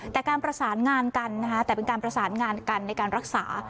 แต่การประสานงานกันนะคะแต่เป็นการประสานงานกันในการรักษา